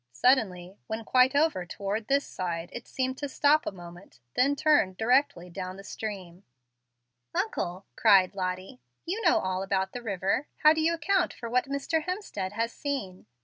Suddenly, when quite over toward this side, it seemed to stop a moment, then turn directly down the stream." "Uncle," cried Lottie, "you know all about the river. How do you account for what Mr. Hemstead has seen?"